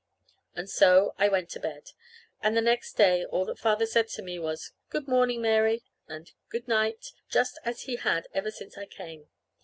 And so I went to bed. And the next day all that Father said to me was, "Good morning, Mary," and, "Good night," just as he had ever since I came.